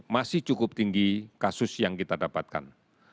masih cukup tinggi kasus yang kita dapatkan